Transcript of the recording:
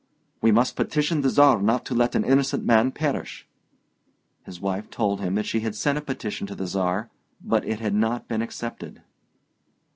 "We must petition the Czar not to let an innocent man perish." His wife told him that she had sent a petition to the Czar, but it had not been accepted.